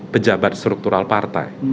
pejabat struktural partai